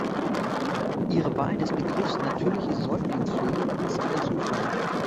Ihre Wahl des Begriffs "natürliche Säuglingspflege" ist kein Zufall.